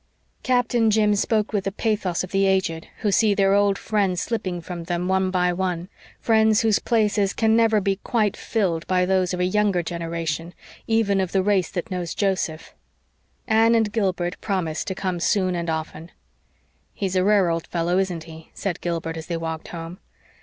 Captain Jim spoke with the pathos of the aged, who see their old friends slipping from them one by one friends whose place can never be quite filled by those of a younger generation, even of the race that knows Joseph. Anne and Gilbert promised to come soon and often. "He's a rare old fellow, isn't he?" said Gilbert, as they walked home.